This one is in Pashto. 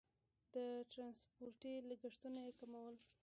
د ټرانسپورتي لګښتونه یې کمول.